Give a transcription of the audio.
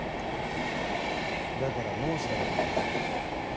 だから申したではありませんか。